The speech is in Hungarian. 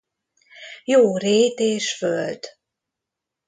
Jó rét és föld.